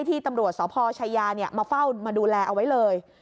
ที่ตำรวจสอบพอร์ชายาเนี่ยมาเฝ้ามาดูแลเอาไว้เลย